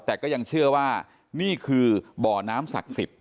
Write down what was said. แต่ก็ยังเชื่อว่านี่คือบ่อน้ำศักดิ์สิทธิ